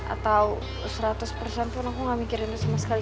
aku tidak memikirkan itu sama sekali